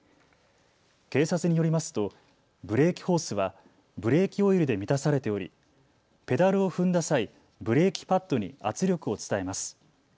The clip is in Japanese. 警察によりますとブレーキホースはブレーキオイルで満たされておりペダルを踏んだ際ブレーキパッドに圧力を伝えます。